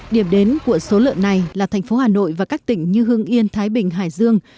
điểm đến của số lợn này là thành phố hà nội và các tỉnh như hương yên thái bình hải dương